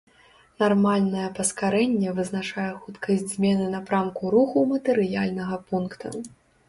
Нармальнае паскарэнне вызначае хуткасць змены напрамку руху матэрыяльнага пункта.